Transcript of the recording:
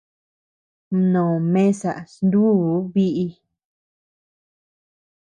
Mnó mesa snuu biʼi.